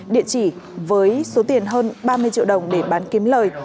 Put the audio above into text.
địa chỉ với số tiền hơn ba mươi triệu đồng để bán kiếm lời